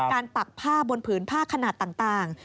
ปักผ้าบนผืนผ้าขนาดต่าง